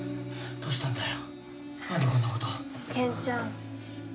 どうしたんだよ？